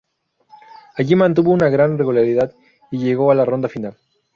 Allí mantuvo una gran regularidad y llegó a la ronda final.